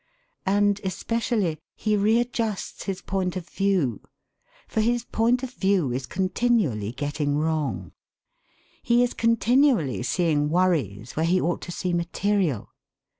And especially he readjusts his point of view, for his point of view is continually getting wrong. He is continually seeing worries where he ought to see material.